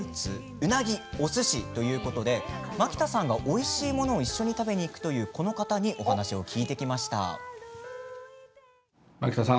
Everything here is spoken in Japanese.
うなぎとおすしということで蒔田さんおいしいものを一緒に食べに行くというこの方にお話を聞いてきました。